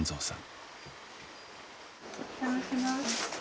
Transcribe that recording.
お邪魔します。